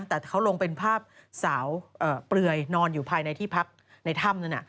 แต่เขาลงเป็นภาพสาวเปลือยนอนอยู่ภายในที่พักในถ้ำนั้น